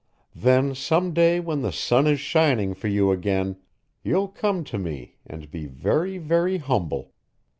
Then, some day when the sun is shining for you again, you'll come to me and be very, very humble.